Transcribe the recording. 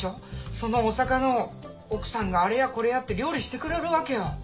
そのお魚を奥さんがあれやこれやって料理してくれるわけよ。